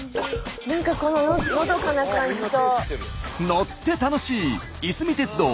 何かこののどかな感じと。